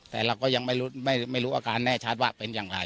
แต่เราก็ยังไม่รู้อาการแน่ชัดว่าเป็นอย่างไร